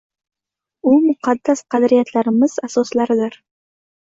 U muqaddas qadriyatlarimiz asoslaridir.